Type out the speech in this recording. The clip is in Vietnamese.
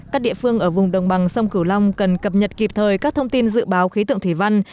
các địa phương ở vùng đồng bằng sông cửu long cần cập nhật kịp thời các thông tin dự báo khí tượng thủy văn